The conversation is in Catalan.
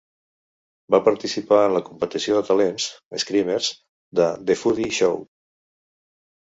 Va participar en la competició de talents "Screamers" de The Footy Show.